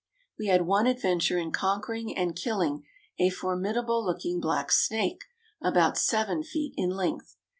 We had one adventure in conquering and killing a formidable looking black snake about seven feet in length.